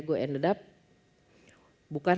gue end up bukan